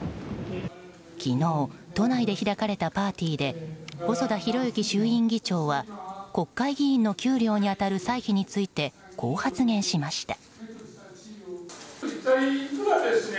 昨日、都内で開かれたパーティーで細田博之衆院議長は国会議員の給料に当たる歳費についてこう発言しました。